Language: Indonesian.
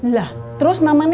lah terus namanya